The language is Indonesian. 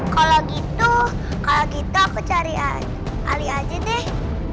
kalau gitu aku cari ali aja deh